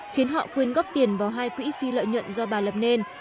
khiến họ quyên góp tiền vào hai quỹ phi lợi nhuận do bà lập nên